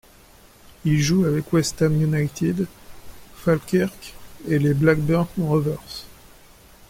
Il joue avec West Ham United, Falkirk, et les Blackburn Rovers.